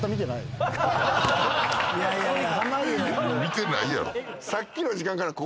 見てないやろ。